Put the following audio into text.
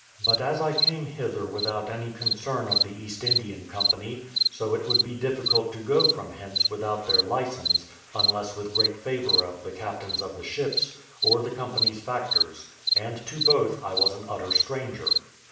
But as I came hither without any concern with the East Indian Company, so it would be difficult to go from hence without their licence, unless with great favour of the captains of the ships, or the company's factors: and to both I was an utter stranger.